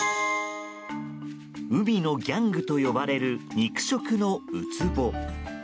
海のギャングと呼ばれる肉食のウツボ。